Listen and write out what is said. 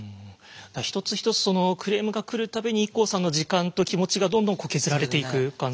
一つ一つクレームが来る度にＩＫＫＯさんの時間と気持ちがどんどん削られていく感じ。